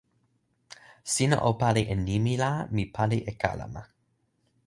sina o pali e nimi la, mi pali e kalama.